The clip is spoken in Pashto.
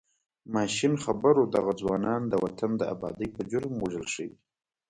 ماشین خبر و دغه ځوانان د وطن د ابادۍ په جرم وژل شوي.